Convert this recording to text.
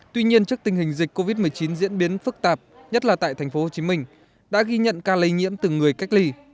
tuy nhiên trước tình hình dịch covid một mươi chín diễn biến phức tạp nhất là tại tp hcm đã ghi nhận ca lây nhiễm từ người cách ly